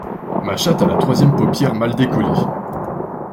Ma chatte a la troisième paupière mal décollé.